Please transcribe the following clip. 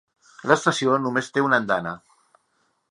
L'estació només té una andana.